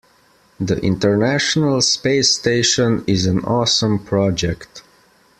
The international space station is an awesome project.